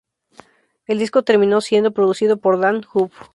El disco terminó siendo producido por Dann Huff.